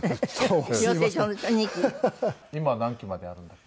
今何期まであるんだっけ？